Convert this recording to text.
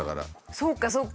そうかそうか。